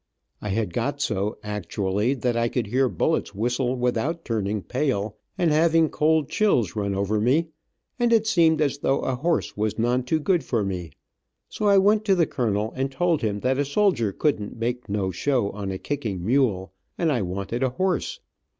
I had got so, actually, that I could hear bullets whistle without turning pale and having cold chills run over me, and it seemed as though a horse was none too good for me, so I went to the colonel and told him that a soldier couldn't make no show on a kicking mule and I wanted a horse.